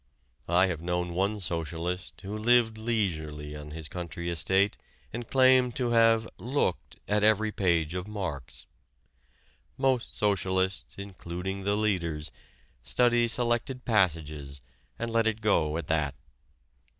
I have known one socialist who lived leisurely on his country estate and claimed to have "looked" at every page of Marx. Most socialists, including the leaders, study selected passages and let it go at that.